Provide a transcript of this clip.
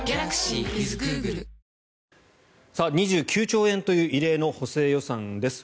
２９兆円という異例の補正予算です。